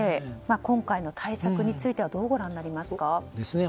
今回の対策についてはどうご覧になりますか？